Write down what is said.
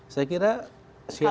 saya kira siapapun